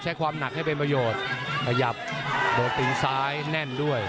ความหนักให้เป็นประโยชน์ขยับโดดตีนซ้ายแน่นด้วย